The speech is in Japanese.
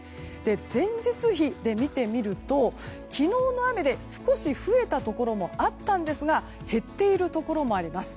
前日比で見てみると昨日の雨で少し増えたところもあったんですが減っているところもあります。